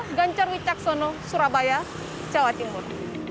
eka rima ganjar witskyaksono surabaya jawa timur